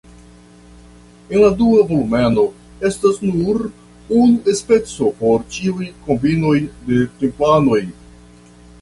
En la dua volumeno estas nur unu speco por ĉiuj kombinoj de templanoj.